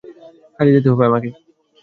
কাজে যেতে হবে তোকে।